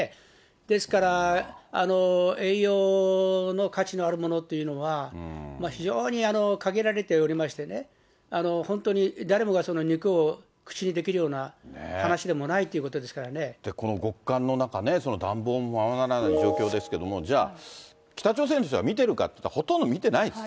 ですから、栄養の価値のあるものというのは非常に限られておりましてね、本当に誰もが肉を口にできるような話でもないということですからこの極寒の中ね、暖房もままならない状況ですけれども、じゃあ、北朝鮮の人が見てるかといったらほとんど見てないです。